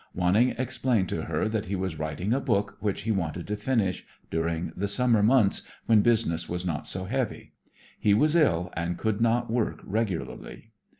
Wanning explained to her that he was writing a book which he wanted to finish during the summer months when business was not so heavy. He was ill and could not work regularly.